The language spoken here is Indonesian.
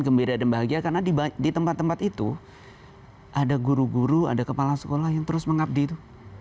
gembira dan bahagia karena di tempat tempat itu ada guru guru ada kepala sekolah yang terus mengabdi itu